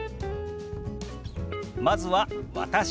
まずは「私」。